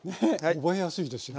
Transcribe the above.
覚えやすいですよ